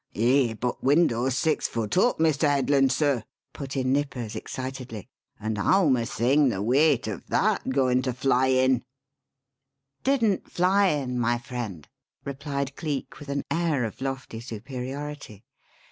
"Eh, but window's six foot up, Mr. Headland, sir," put in Nippers excitedly; "and howm a thing the weight o' that goin' to fly in?" "Didn't fly in, my friend," replied Cleek with an air of lofty superiority.